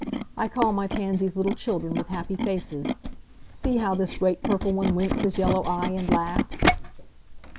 I call my pansies little children with happy faces. See how this great purple one winks his yellow eye, and laughs!"